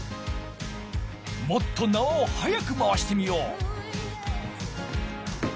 もっとなわをはやくまわしてみよう。